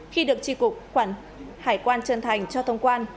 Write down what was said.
khi được tri cục quản hải quan trân thành cho thông quan